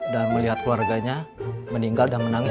dan melihat keluarganya meninggal dan menangis